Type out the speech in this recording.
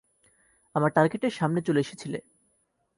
আমার টার্গেটের সামনে চলে এসেছিলে।